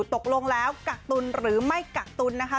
ตกลงแล้วกักตุลหรือไม่กักตุนนะคะ